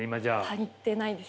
足りてないです